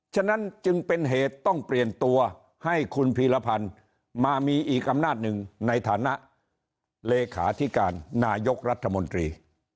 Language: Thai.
ฉะนั้นจึงเป็นเหตุต้องเปลี่ยนตัวให้คุณพีรพันธ์มามีอีกอำนาจหนึ่งในฐานะเลขาธิการนายกรัฐมนตรี